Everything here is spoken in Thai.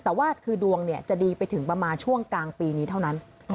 แต่ว่าคือดวงจะดีไปถึงประมาณช่วงกลางปีนี้เท่านั้น